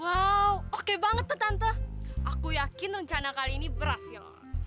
wow oke banget tuh tante aku yakin rencana kali ini berhasil